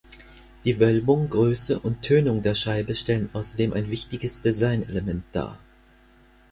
Die Wölbung, Größe und Tönung der Scheibe stellen außerdem ein wichtiges Designelement dar.